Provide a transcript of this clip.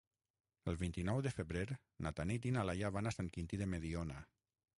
El vint-i-nou de febrer na Tanit i na Laia van a Sant Quintí de Mediona.